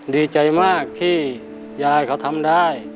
ดีใจมากที่ยายเขาทำได้